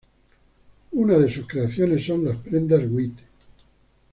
Una de sus creaciones son las prendas wit.